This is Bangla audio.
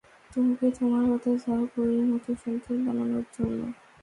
তোমাকে তোমার হতে যাওয়া বৌয়ের মতো সুন্দর বানানোর জন্য।